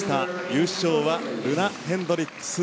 優勝はルナ・ヘンドリックス。